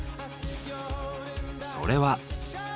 それは。